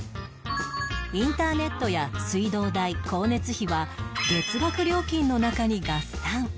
インターネットや水道代光熱費は月額料金の中に合算